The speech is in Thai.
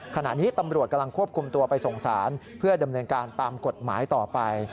ขณะนี้ตำรวจกำลังควบคุมตัวไปส่งสารเพื่อดำเนินการตามกฎหมายต่อไป